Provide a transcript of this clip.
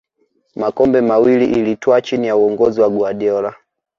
makombe mawili ilitwaa chini ya uongozi wa guardiola